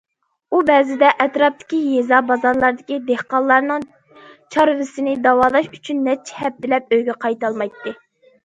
ئۇ بەزىدە ئەتراپتىكى يېزا- بازارلاردىكى دېھقانلارنىڭ چارۋىسىنى داۋالاش ئۈچۈن نەچچە ھەپتىلەپ ئۆيىگە قايتالمايتتى.